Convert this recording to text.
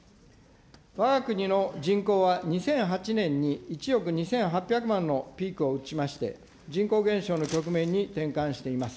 わが国の人口は、２００８年に１億２８００万のピークを打ちまして、人口減少の局面に転換しています。